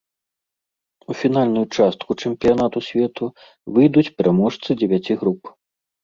У фінальную частку чэмпіянату свету выйдуць пераможцы дзевяці груп.